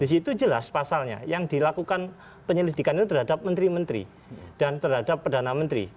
di situ jelas pasalnya yang dilakukan penyelidikan itu terhadap menteri menteri dan terhadap perdana menteri